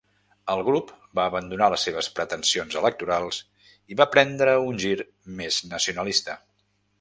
El grup va abandonar les seves pretensions electorals i va prendre un gir més nacionalista.